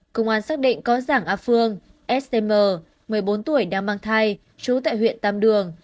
công an xác định có giảng a phương stm một mươi bốn tuổi đang mang thai trú tại huyện tam đường